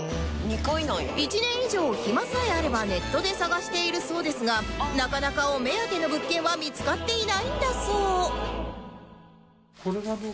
１年以上暇さえあればネットで探しているそうですがなかなかお目当ての物件は見つかっていないんだそう